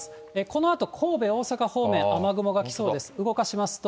このあと神戸、大阪方面、雨雲が来そうです。